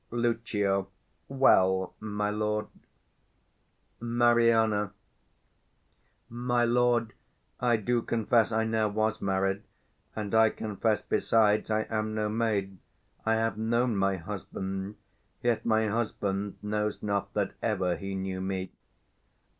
Lucio. Well, my lord. Mari. My lord, I do confess I ne'er was married; And I confess, besides, I am no maid: 185 I have known my husband; yet my husband Knows not that ever he knew me.